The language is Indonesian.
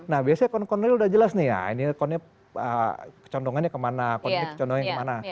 nah biasanya account account real udah jelas nih ya ini account nya kecondongannya kemana account ini kecondongannya kemana